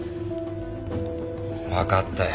分かったよ。